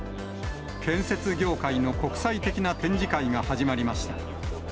建設業界の国際的な展示会が始まりました。